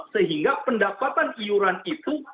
sehingga pendapatan iuran itu